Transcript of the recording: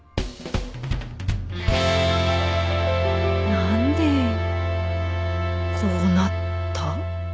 何でこうなった？